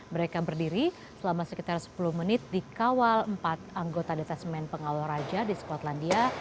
mereka berdiri selama sekitar sepuluh menit di kawal empat anggota detesmen pengawal raja di skotlandia